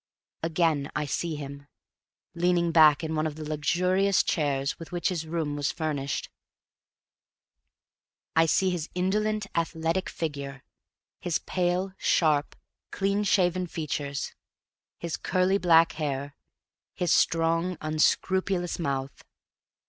Again I see him, leaning back in one of the luxurious chairs with which his room was furnished. I see his indolent, athletic figure; his pale, sharp, clean shaven features; his curly black hair; his strong, unscrupulous mouth.